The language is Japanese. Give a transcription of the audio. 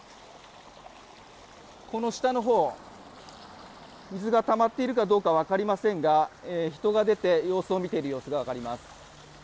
この下の方水がたまっているかどうか分かりませんが人が出て様子を見ている様子が分かります。